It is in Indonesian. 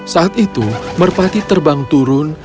saat itu merpati terbang turun